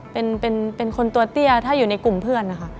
เป็นคนตัวเตี้ยถ้าอยู่ในกลุ่มเพื่อนนะคะ